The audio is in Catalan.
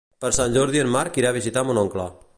Per Sant Jordi en Marc irà a visitar mon oncle.